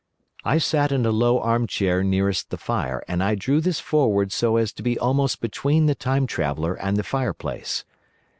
I sat in a low arm chair nearest the fire, and I drew this forward so as to be almost between the Time Traveller and the fireplace.